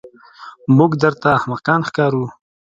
موږ درته احمقان ښکارو.